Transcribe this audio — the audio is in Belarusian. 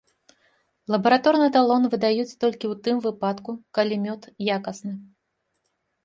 Лабараторны талон выдаюць толькі ў тым выпадку, калі мёд якасны.